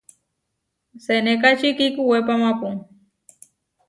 Senékači kikuwépamapu.